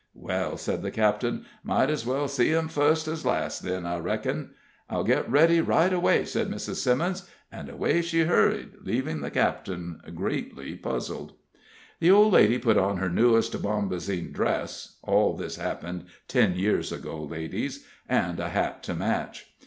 "Well," said the captain, "might ez well see him fust as last then, I reckon." "I'll get ready right away," said Mrs. Simmons. And away she hurried, leaving the captain greatly puzzled. The old lady put on her newest bombazine dress all this happened ten years ago, ladies and a hat to match.